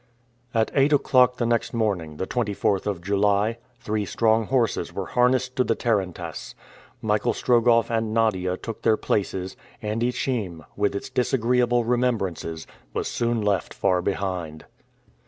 At eight o'clock the next morning, the 24th of July, three strong horses were harnessed to the tarantass. Michael Strogoff and Nadia took their places, and Ichim, with its disagreeable remembrances, was soon left far behind.